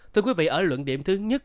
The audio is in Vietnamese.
thưa quý vị ở luận điểm thứ nhất